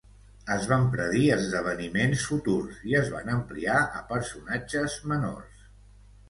Es van predir esdeveniments futurs i es van ampliar a personatges menors.